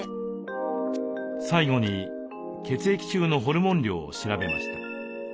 最後に血液中のホルモン量を調べました。